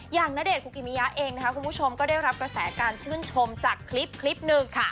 ณเดชนคุกิมิยะเองนะคะคุณผู้ชมก็ได้รับกระแสการชื่นชมจากคลิปคลิปหนึ่งค่ะ